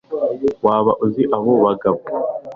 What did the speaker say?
waba uzi abo bagabo